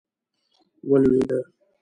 ولوېده.